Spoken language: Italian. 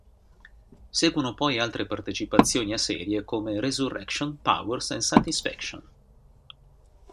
Seguono poi altre partecipazioni a serie come "Resurrection", "Powers" e "Satisfaction".